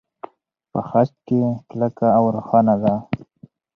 په خج کې کلکه او روښانه ده.